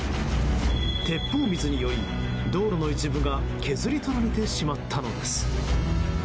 鉄砲水により道路の一部が削り取られてしまったのです。